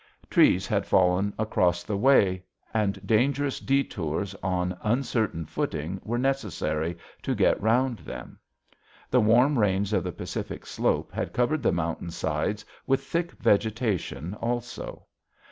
Trees had fallen across the way, and dangerous détours on uncertain footing were necessary to get round them. The warm rains of the Pacific Slope had covered the mountain sides with thick vegetation also.